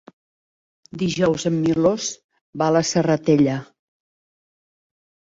Dijous en Milos va a la Serratella.